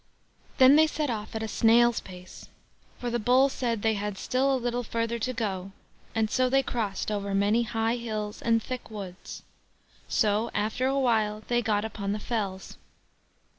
Then they set off at a snail's pace, for the Bull said they had still a little further to go, and so they crossed over many high hills and thick woods. So after awhile they got upon the fells.